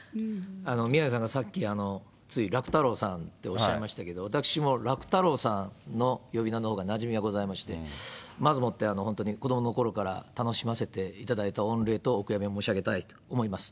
宮根さんがさっき、つい、楽太郎さんっておっしゃいましたけど、私も楽太郎さんの呼び名のほうがなじみがございまして、まずもって本当に子どものころから楽しませていただいた御礼とお悔やみを申し上げたいと思います。